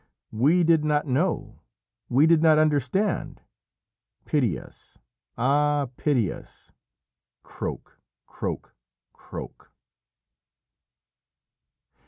"We did not know! We did not understand! Pity us! Ah, pity us! _Krroak! krroak! krroak!